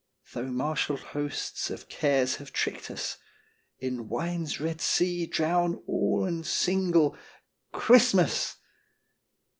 Though marshalled hosts of cares have tricked us, In wine's Red Sea drown all and single "Christmas!"